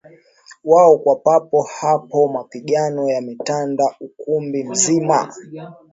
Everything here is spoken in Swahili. wao Kwa papo hapo mapigano yametanda ukumbi mzima